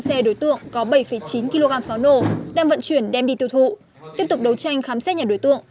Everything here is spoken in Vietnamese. hai xe đối tượng có bảy chín kg pháo nổ đang vận chuyển đem đi tiêu thụ tiếp tục đấu tranh khám xét nhà đối tượng